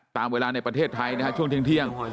ตามเวลาในประเทศไทยนะฮะช่วงเที่ยง